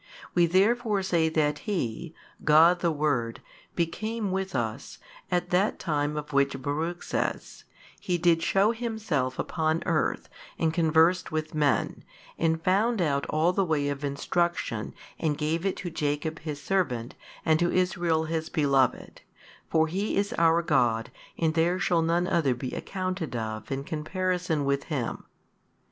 We therefore say that He God the Word became with us, at that time of which Baruch says, He did shew Himself upon earth and conversed with men, and found out all the way of instruction and gave it to Jacob His servant and to Israel His beloved, for He is our God and there shall none other be accounted of in comparison with Him.